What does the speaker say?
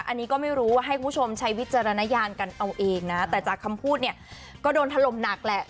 อันนี้ก็ไม่รู้ว่าให้คุณผู้ชมใช้วิจารณญาณกันเอาเองนะแต่จากคำพูดเนี่ยก็โดนถล่มหนักแหละ